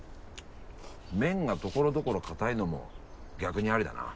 麺がところどころ固いのも逆にありだな。